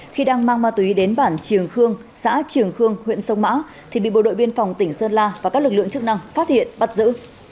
khi đang mang ma túy đến bản trường khương xã trường khương huyện sông mã thì bị bộ đội biên phòng tỉnh sơn la và các lực lượng chức năng phát hiện bắt giữ